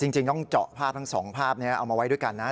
จริงต้องเจาะภาพทั้งสองภาพนี้เอามาไว้ด้วยกันนะ